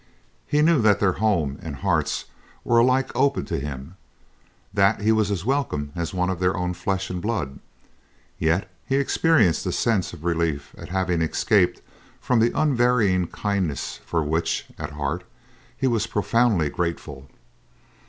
He knew that their home and hearts were alike open to him; that he was as welcome as one of their own flesh and blood; yet he experienced a sense of relief at having escaped from the unvarying kindliness for which, at heart, he was profoundly grateful.